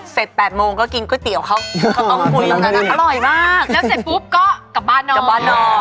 เสร็จ๘โมงก็กินก๋วยเตี๋ยวเข้าคุยกันค่ะอร่อยมากแล้วเสร็จปุ๊บก็กลับบ้านนอน